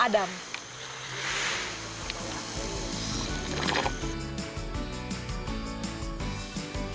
ada tempat yang sangat menarik